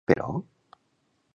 Aprofitava el temps però?